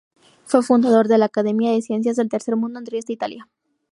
Fue fundador de la Academia de Ciencias del Tercer Mundo, en Trieste, Italia.